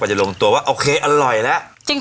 จะลงตัวว่าโอเคอร่อยแล้ว